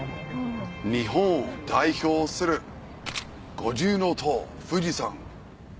日本を代表する五重塔富士山。